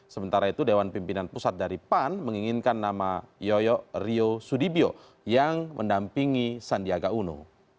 sementara itu dewan pimpinan pusat dari pan menginginkan nama yoyo ryo sudibyo yang mendampingi sandiaga uno